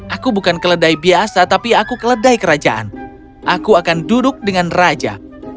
aku bukan keledai biasa tapi aku keledai kerajaan aku akan duduk dengan raja